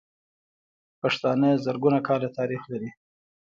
پښتانه زرګونه کاله تاريخ لري.